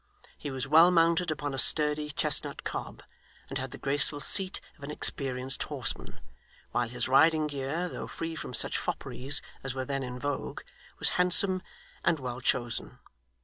He was well mounted upon a sturdy chestnut cob, and had the graceful seat of an experienced horseman; while his riding gear, though free from such fopperies as were then in vogue, was handsome and well chosen.